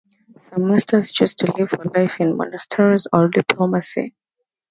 Some masters chose to leave for life in monasteries or diplomacy.